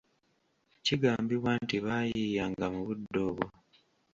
Kigambibwa nti baayiiyanga mu budde obwo.